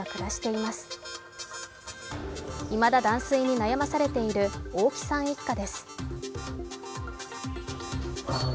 いまだ断水に悩まされている大木さん一家です。